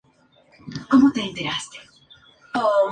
se baña en sangre de héroes la tierra de Colón.